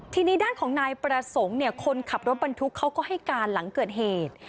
ทีนี้ด้านของนายประสงค์เนี่ยคนขับรถบรรทุกเขาก็ให้การหลังเกิดเหตุ